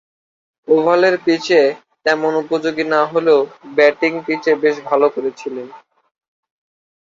ওভালের পিচে তেমন উপযোগী না হলেও ব্যাটিং পিচে বেশ ভালো করেছিলেন।